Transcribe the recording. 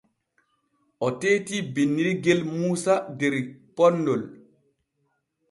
O teetii binnirgel Muusa der ponnol.